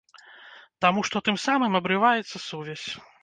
Таму што тым самым абрываецца сувязь.